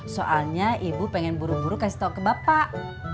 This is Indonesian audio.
soalnya ibu pengen buru buru kasih tau ke bapak